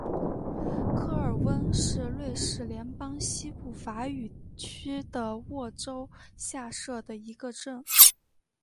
科尔翁是瑞士联邦西部法语区的沃州下设的一个镇。